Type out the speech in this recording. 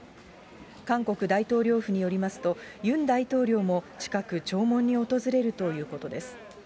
韓国大統領府によりますと、ユン大統領も近く、弔問に訪れるということです。